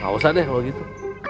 gak usah deh kalau gitu